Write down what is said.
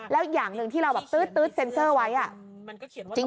แล้วอย่างหนึ่งที่เราแบบตื๊ดเซ็นเซอร์ไว้